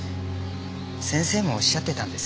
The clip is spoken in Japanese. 先生もおっしゃってたんです。